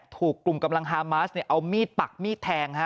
ถูกกลุ่มกำลังฮามาสเอามีดปักมีดแทง